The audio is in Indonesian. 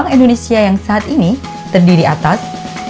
orang indonesia yang saat ini terdiri atas